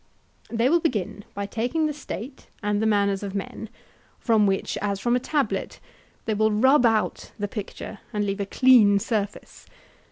They will begin by taking the State and the manners of men, from which, as from a tablet, they will rub out the picture, and leave a clean surface.